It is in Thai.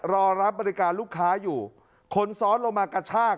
รอรับบริการลูกค้าอยู่คนซ้อนลงมากระชาก